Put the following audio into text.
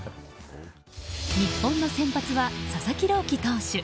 日本の先発は佐々木朗希投手。